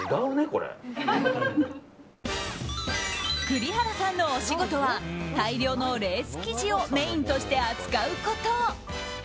栗原さんのお仕事は大量のレース生地をメインとして扱うこと。